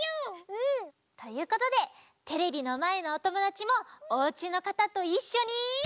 うん！ということでテレビのまえのおともだちもおうちのかたといっしょに！